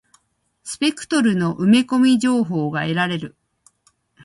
スペクトルの埋め込み情報が得られる。